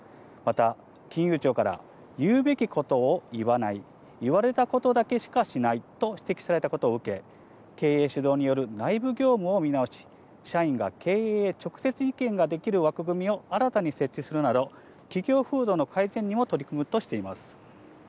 また、金融庁から言うべきことを言わない、言われたことだけしかしないと指摘されたことを受け、経営主導による内部業務を見直し、社員が経営へ直接意見ができる枠組みを新たに設置するなど、企業風土の改善にも取り組むとしています。